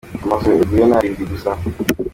Amanzu yaguye ni arindwi gusa.